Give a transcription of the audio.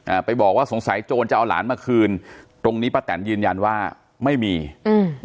อ่าไปบอกว่าสงสัยโจรจะเอาหลานมาคืนตรงนี้ป้าแตนยืนยันว่าไม่มีอืม